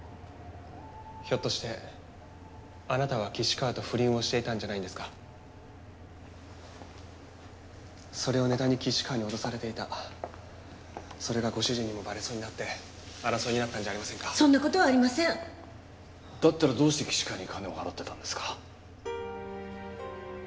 ひょっとしてあなたは岸川と不倫をしていたんじゃないんですかそれをネタに岸川に脅されていたそれがご主人にもばれそうになって争いになったんじゃありませんかそんなことはありませんだったらどうして岸川に金を払ってたんですか？